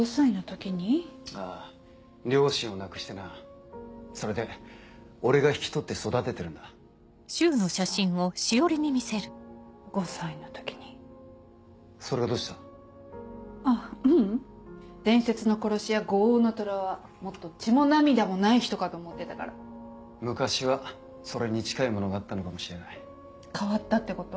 両親を亡くしてなそれで俺が引き取って育ててるんだそう５歳の時に伝説の殺し屋「五黄のトラ」はもっと血も涙もない人かと思ってたから昔はそれに近いものがあったのかもし変わったってこと？